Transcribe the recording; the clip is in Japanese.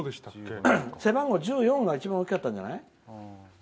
背番号１４が一番大きかったんじゃない？